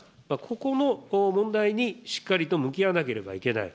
ここも問題にしっかりと向き合わなければいけない。